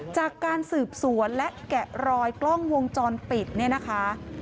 จากการสืบสวนและแกะรอยกล้องวงจรปิดเนี่ยนะคะ